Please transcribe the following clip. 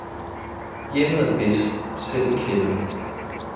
hjemmet er bedst, selv i kælderen!